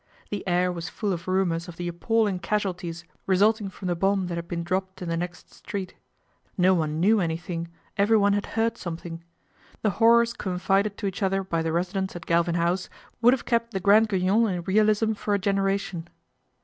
The air was full of rumours of the appalling sSasualties resulting from the bomb that had been dropped in the next street. No one knew anything, everyone had heard something. The horrors confided to each other by the residents at Galvin House would have kept the Grand Guignol in realism for a generation.